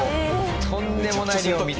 とんでもない量を見た。